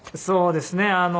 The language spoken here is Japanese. そうですね。